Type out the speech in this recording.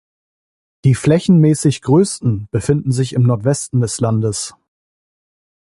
Die flächenmäßig größten befinden sich im Nordwesten des Landes.